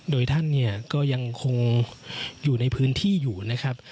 โดยท่านเนี่ยก็ยังคงอยู่ในพื้นที่อยู่นะครับ